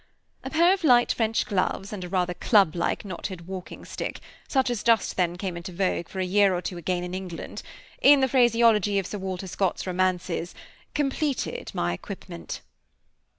A pair of light French gloves and a rather club like knotted walking stick, such as just then came into vogue for a year or two again in England, in the phraseology of Sir Walter Scott's romances "completed my equipment."